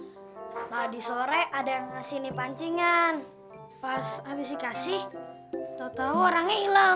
nah disore ada yang ngasih nih pancingan pas abis dikasih tau tau orangnya ilang